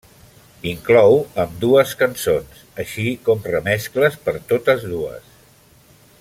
Inclou ambdues cançons, així com remescles per totes dues.